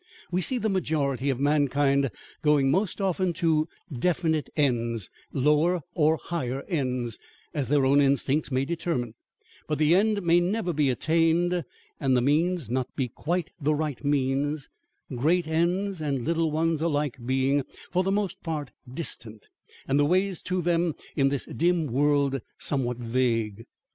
We see the majority of mankind going most often to definite ends, lower or higher ends, as their own instincts may determine; but the end may never be attained, and the means not be quite the right means, great ends and little ones alike being, for the most part, distant, and the ways to them, in this dim world, somewhat vague.